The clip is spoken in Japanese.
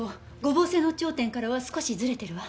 五芒星の頂点からは少しずれてるわ。